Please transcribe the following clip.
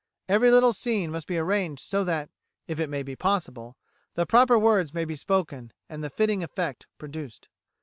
Every little scene must be arranged so that if it may be possible the proper words may be spoken, and the fitting effect produced."